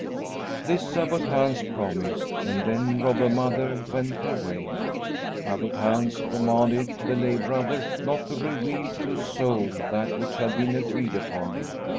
This Abbot Hans promised, and then Robber Mother went her way. Abbot Hans commanded the lay brother not to reveal to a soul that which had been agreed upon.